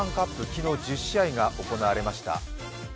昨日１０試合が行われました。